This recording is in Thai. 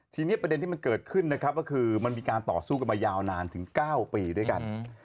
ทีนี้ประเด็นที่มันเกิดขึ้นนะครับก็คือมันมีการต่อสู้กันมายาวนานถึง๙ปีด้วยกัน